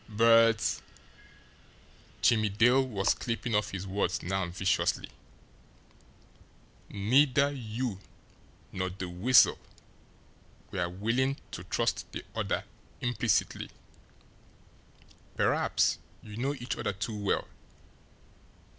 "But" Jimmie Dale was clipping off his words now viciously "neither you nor the Weasel were willing to trust the other implicitly perhaps you know each other too well.